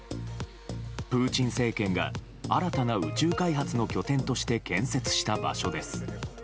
プーチン政権が新たな宇宙開発の拠点として建設した場所です。